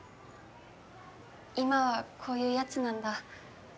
今はこういうやつなんだ。